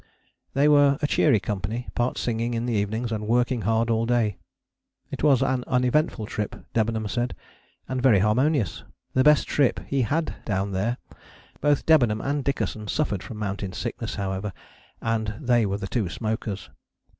They were a cheery company, part singing in the evenings and working hard all day. It was an uneventful trip, Debenham said, and very harmonious: the best trip he had down there. Both Debenham and Dickason suffered from mountain sickness, however, and they were the two smokers!